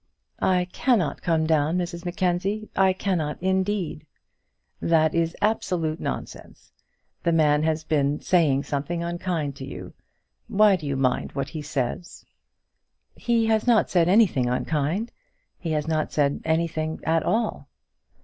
"I cannot come down, Mrs Mackenzie; I cannot, indeed." "That is absolute nonsense. That man has been saying something unkind to you. Why do you mind what he says?" "He has not said anything unkind; he has not said anything at all."